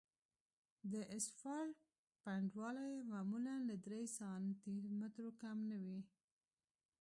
د اسفالټ پنډوالی معمولاً له درې سانتي مترو کم نه وي